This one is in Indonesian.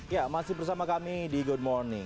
ya masih bersama kami di good morning